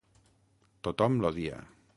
Tothom l'odia.